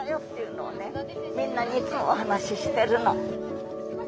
みんなにいつもお話ししてるの。